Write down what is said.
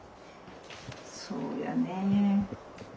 そうやね。